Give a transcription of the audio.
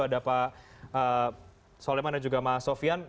ada pak soleman dan juga pak sofyan